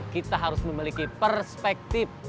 kita harus memiliki perspektif